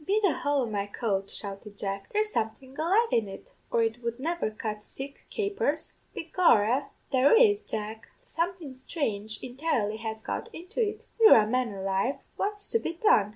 "'Be the hole o' my coat,' shouted Jack, 'there's something alive in it, or it would never cut sich capers!' "'Be gorra, there is, Jack; something sthrange entirely has got into it. Wirra, man alive, what's to be done?'